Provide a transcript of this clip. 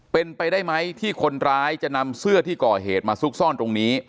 เป็นไปได้ไหมที่คนร้ายจะนำเสื้อที่ก่อเหตุมาซุกซ่อนตรงนี้